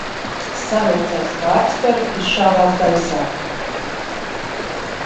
Savilcējs kā atspere izšāvās gaisā.